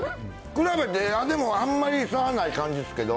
比べても、あんまり差ない感じですけど。